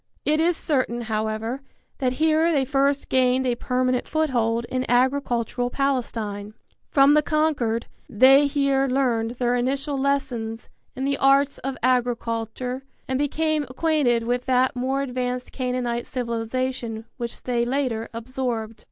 It is certain, however, that here they first gained a permanent foothold in agricultural Palestine. From the conquered they here learned their initial lessons in the arts of agriculture and became acquainted with that more advanced Canaanite civilization which they later absorbed.